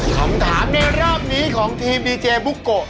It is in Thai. คำถามในรอบนี้ของทีมดีเจบุโกะ